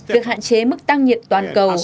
việc hạn chế mức tăng nhiệt toàn cầu